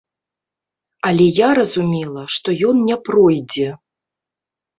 Але я разумела, што ён не пройдзе.